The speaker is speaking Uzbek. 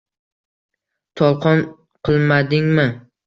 Tolqon qilmadingmi?